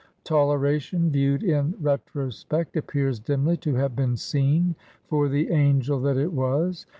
Tolera* tion viewed in retrospect appears dimly to have been seen for the angel that it was.